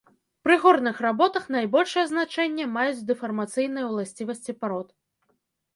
Пры горных работах найбольшае значэнне маюць дэфармацыйныя ўласцівасці парод.